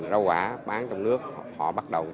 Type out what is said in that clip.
rau quả bán trong nước họ bắt đầu